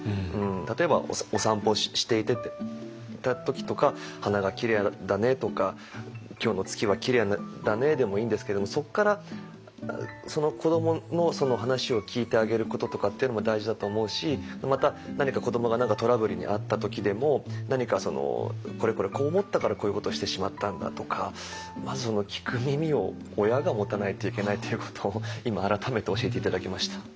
例えばお散歩していた時とか「花がきれいだね」とか「今日の月はきれいだね」でもいいんですけれどもそっから子どものその話を聞いてあげることとかっていうのも大事だと思うしまた何か子どもが何かトラブルに遭った時でも何かそのこれこれこう思ったからこういうことをしてしまったんだとかまず聞く耳を親が持たないといけないということを今改めて教えて頂きました。